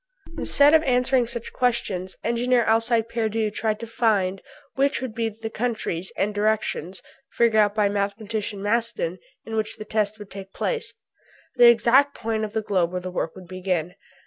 Instead of answering such questions Engineer Alcide Pierdeux tried to find which would be the countries and directions, figured out by Mathematician Maston, in which the test would take place the exact point of the globe where the work would begin.